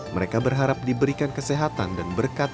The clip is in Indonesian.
mereka berharap diberikan kesehatan dan berkat